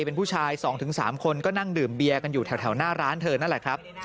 เป็นผู้ชาย๒๓คนก็นั่งดื่มเบียร์กันอยู่แถวหน้าร้านเธอนั่นแหละครับ